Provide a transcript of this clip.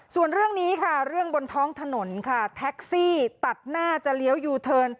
ส่วนเรื่องนี้ค่ะเรื่องบนท้องถนนค่ะแท็กซี่ตัดหน้าจะเลี้ยวยูเทิร์น